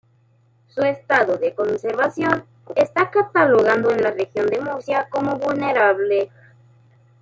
Su estado de conservación está catalogado en la Región de Murcia como vulnerable.